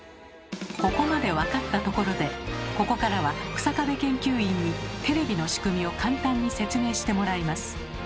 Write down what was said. ここまで分かったところでここからは日下部研究員にテレビの仕組みを簡単に説明してもらいます。